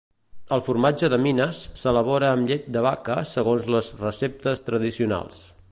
El formatge de Minas s'elabora amb llet de vaca segons les receptes tradicionals.